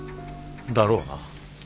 だろうな。